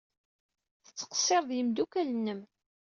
Ttqeṣṣir ed yimeddukal-nnem.